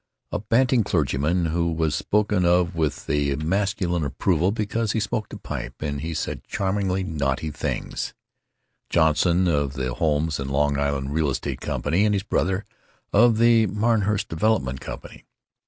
A bantling clergyman, who was spoken of with masculine approval because he smoked a pipe and said charmingly naughty things. Johnson of the Homes and Long Island Real Estate Company, and his brother, of the Martinhurst Development Company.